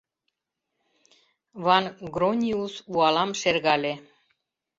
Ван-Грониус уалам шергале.